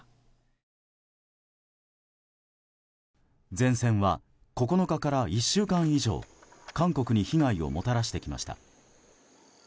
前線は９日から１週間以上韓国に被害をもたらしてきました。